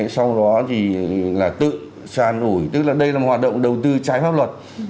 sau đó thì là tự sàn ủi tức là đây là một hoạt động đầu tư trái pháp luật